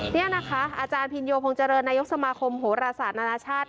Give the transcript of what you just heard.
นี่นะคะอาจารย์พินโยพงษ์นายกสมาคมโหรศาสตร์นานาชาติ